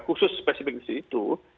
khusus spesifikasi itu